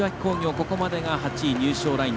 ここまでが８位入賞ライン。